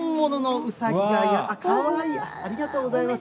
ありがとうございます。